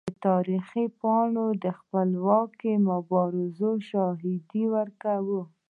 د تاریخ پاڼې د خپلواکۍ د مبارزو شاهدي ورکوي.